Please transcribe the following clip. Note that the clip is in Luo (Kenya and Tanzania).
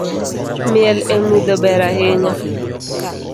Miel emudho ber ahinya